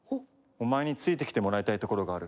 お前についてきてもらいたい所がある。